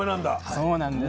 そうなんです。